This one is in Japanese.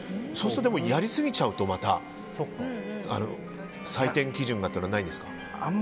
でも、やりすぎちゃうとまた採点基準がというのはないんですか。